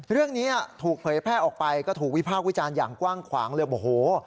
เรื่องนี้ถูกเผยแพร่ออกไปก็ถูกวิพากษ์วิจารณ์อย่างกว้างขวางเลยบอกโห